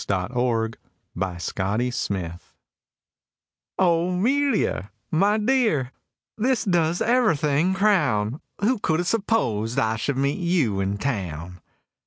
THE RUINED MAID "O 'Melia, my dear, this does everything crown! Who could have supposed I should meet you in Town?